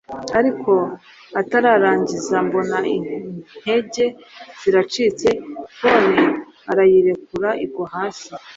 ariko. atararangiza mbona intege ziracitse phone arayirekura igwa hasi